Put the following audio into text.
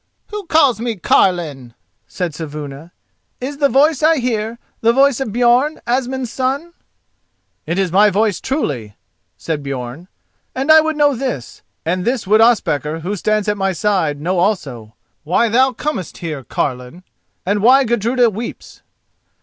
"Who calls me 'carline'?" said Saevuna. "Is the voice I hear the voice of Björn, Asmund's son?" "It is my voice, truly," said Björn, "and I would know this—and this would Ospakar, who stands at my side, know also—why thou comest here, carline? and why Gudruda weeps?"